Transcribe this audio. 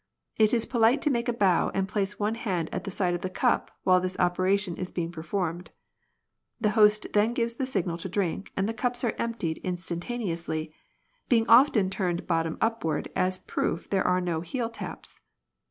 It is polite to make a bow and place one hand at the side of the cup while this operation is being performed. The host then gives the signal to drink and the cups are emptied instantaneously, being often turned bottom upward as a proof there are no heel taps.